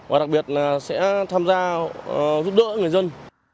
và đặc biệt là sẽ tham gia giúp đỡ người dân